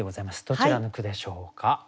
どちらの句でしょうか？